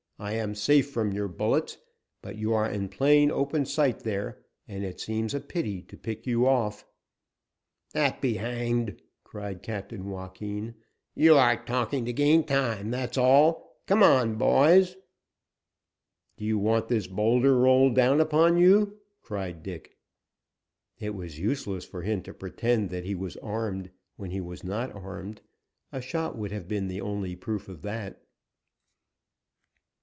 "I am safe from your bullets, but you are in plain open sight there, and it seems a pity to pick you off." "That be hanged!" cried Captain Joaquin. "You are talking to gain time, that is all. Come on, boys!" "Do you want this boulder rolled down upon you?" cried Dick. It was useless for him to pretend that he was armed, when he was not armed. A shot would have been the only proof of that.